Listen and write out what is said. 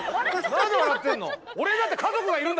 なんで笑ってんの？